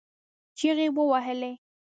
چغې يې ووهلې.